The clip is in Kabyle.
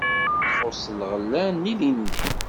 Txuṣṣ lɣella n yilindi.